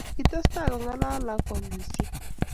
kitestai kongalal ako amisie